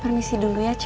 permisi dulu ya ce